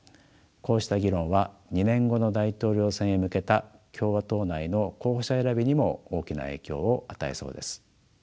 こうした議論は２年後の大統領選へ向けた共和党内の候補者選びにも大きな影響を与えそうです。